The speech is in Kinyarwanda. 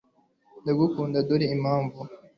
Ndagukunda dore impamvu